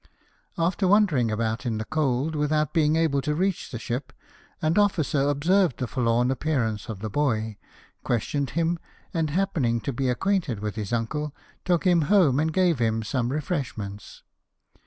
After wandering about in the cold, without being able to reach the ship, an officer observed the forlorn appearance of the boy, questioned him, and happening to be acquainted with his uncle, took him home and gave him some refresh ments.